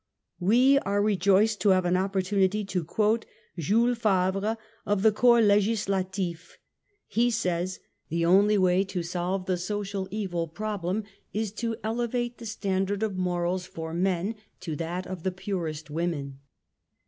» "We are rejoieed to have an opportunity to i^uote Jules Favreof the Corps^ Legislative: He says ' The only way to solve the social evil problem, is to ele vate the standard, of morals for men to that of the purest women."'